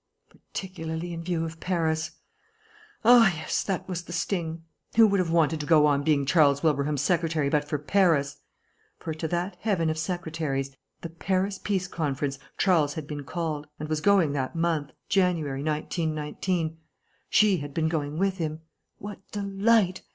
Particularly in view of Paris. Ah, yes, that was the sting. Who would have wanted to go on being Charles Wilbraham's secretary but for Paris? For to that heaven of secretaries, the Paris Peace Conference, Charles had been called, and was going that month, January, 1919. She had been going with him. What delight!